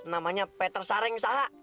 namanya peter sareng saha